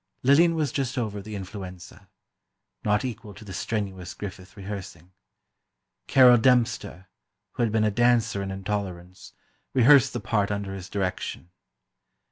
Lillian was just over the influenza—not equal to the strenuous Griffith rehearsing. Carol Dempster, who had been a dancer in "Intolerance," rehearsed the part under his direction.